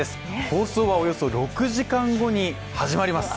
放送はおよそ６時間後に始まります。